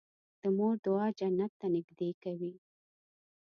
د مور دعا جنت ته نږدې کوي.